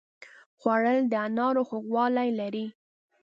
خوړل د انارو خوږوالی لري